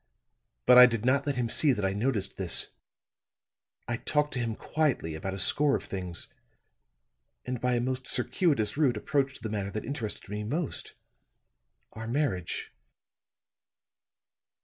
But I did not let him see that I noticed this. I talked to him quietly about a score of things; and by a most circuitous route approached the matter that interested me most our marriage.